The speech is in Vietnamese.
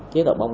kế tạo bông